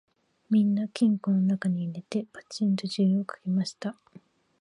みんな金庫のなかに入れて、ぱちんと錠をかけました